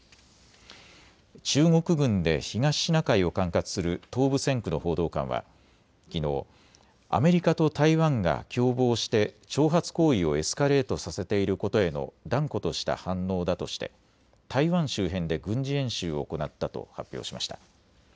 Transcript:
中国軍で東シナ海を管轄する東部戦区の報道官はきのうアメリカと台湾が共謀して挑発行為をエスカレートさせていることへの断固とした反応だとして台湾周辺で軍事演習を行ったと発表しました。